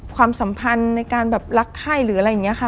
ความสัมพันธ์ในการแบบรักไข้หรืออะไรอย่างนี้ค่ะ